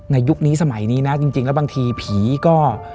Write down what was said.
ยุคนี้สมัยนี้นะจริงแล้วบางทีผีก็